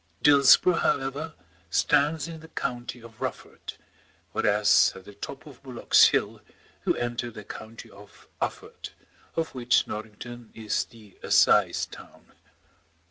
Dillsborough, however, stands in the county of Rufford, whereas at the top of Bullock's Hill you enter the county of Ufford, of which Norrington is the assize town.